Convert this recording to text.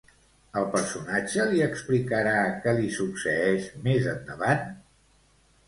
El personatge li explicarà què li succeeix més endavant?